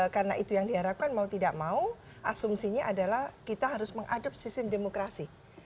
karena itu yang diharapkan mau tidak mau asumsinya adalah kita harus mengadopsi sistem demokrasi